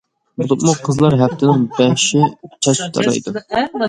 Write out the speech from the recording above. بولۇپمۇ قىزلار ھەپتىنىڭ بەشى چاچ تارايدۇ.